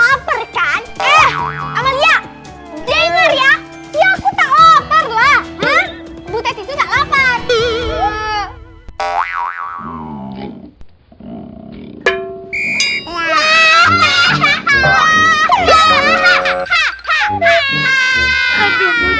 aduh bu tuh bikin school